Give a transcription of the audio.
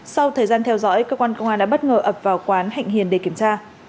sau thời gian theo dõi cơ quan công an đã bất ngờ ập vào quán hạnh hiền để kiểm tra